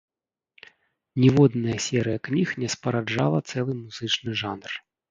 Ніводная серыя кніг не спараджала цэлы музычны жанр.